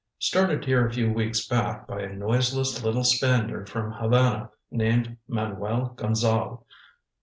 Started here a few weeks back by a noiseless little Spaniard from Havana named Manuel Gonzale.